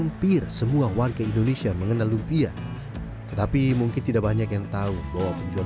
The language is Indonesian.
hampir semua warga indonesia mengenal lumpia tetapi mungkin tidak banyak yang tahu bahwa penjual